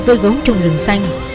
vơi gấu trong rừng xanh